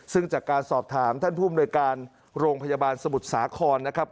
ซึ่งจากการสอบถามท่านผู้อำนวยการโรงพยาบาลสมุทรสาครนะครับ